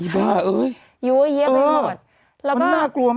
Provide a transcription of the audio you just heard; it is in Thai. บ้าเอ้ยยื้อเยียบไปหมดมันน่ากลัวมาก